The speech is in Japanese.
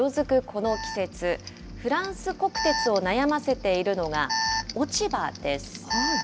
この季節、フランス国鉄を悩ませているのが、落ち葉です。